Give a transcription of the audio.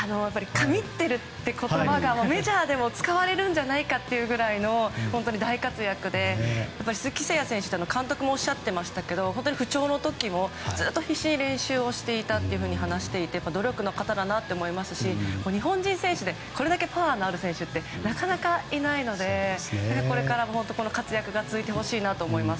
神ってるって言葉がメジャーでも使われるんじゃないかってぐらいの大活躍で鈴木誠也選手の監督もおっしゃっていましたが不調の時も、ずっと必死に練習していたと話していて努力の方だなと思いますし日本人選手でこれだけパワーのある選手ってなかなかいないのでこれから活躍が続いてほしいなと思います。